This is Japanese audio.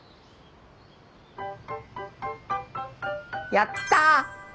やったぁ！